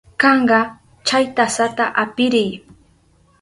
Kanka, chay tasata apiriy.